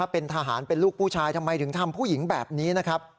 เป็นทหารเป็นลูกผู้ชายทำไมถึงทำผู้หญิงแบบนี้นะครับ